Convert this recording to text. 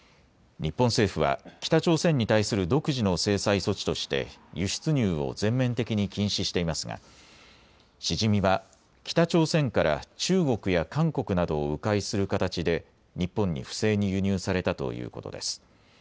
日本政府は北朝鮮に対する独自の制裁措置として輸出入を全面的に禁止していますがシジミは北朝鮮から中国や韓国などをう回する形で日本に不正に輸入されたということです。